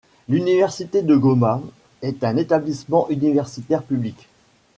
L’université de Goma, est un établissement universitaire public.